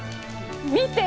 見て！